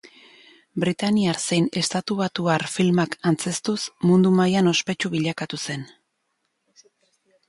Britainiar zein estatubatuar filmak antzeztuz mundu mailan ospetsu bilakatu zen.